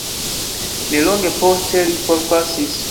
Ne longe poste li forpasis.